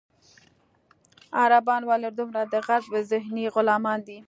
عربان ولې دومره د غرب ذهني غلامان دي.